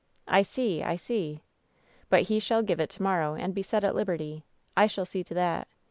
"I see! iseel" "But he shall give it to morrow, and be set at liberty. I shall see to that.